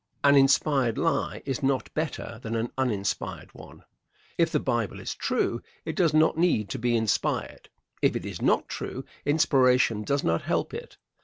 An inspired lie is not better than an uninspired one. If the Bible is true it does not need to be inspired. If it is not true, inspiration does not help it.